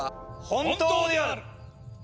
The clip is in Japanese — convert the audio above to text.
本当である！